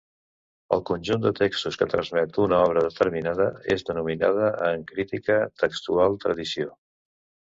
El conjunt de textos que transmet una obra determinada es denomina en crítica textual tradició.